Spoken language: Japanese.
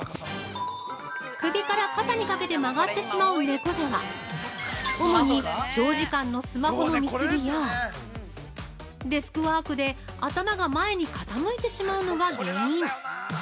◆首から肩にかけて曲がってしまう猫背は、主に長時間のスマホの見過ぎやデスクワークで頭が前に傾いてしまうのが原因。